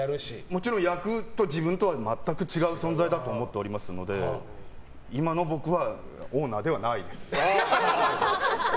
もちろん役と自分とは全く違う存在だと思っておりますので今の僕はオーナーではないです。